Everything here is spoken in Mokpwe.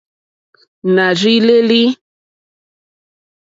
Nà rzí lélí.